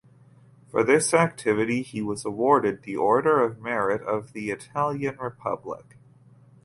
For this activity he was awarded the Order of Merit of the Italian Republic.